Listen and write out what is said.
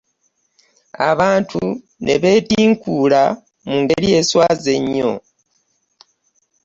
Abantu ne betinkuula mu ngeri eswaza ennyo.